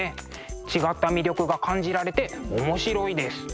違った魅力が感じられて面白いです。